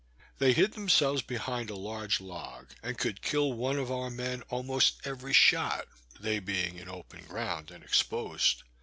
They hid themselves behind a large log, and could kill one of our men almost every shot, they being in open ground and exposed.